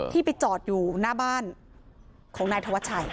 ที่ไปจอดอยู่หน้าบ้านของนายธวัชชัย